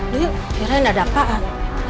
lho yuk kirain ada apaan